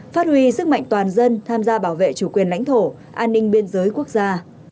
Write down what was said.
phát huy sức mạnh toàn dân tham gia bảo vệ chủ quyền lãnh thổ an ninh biên giới quốc gia